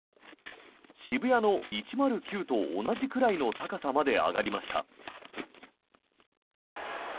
渋谷の１０９と同じくらいの高さまで上がりました。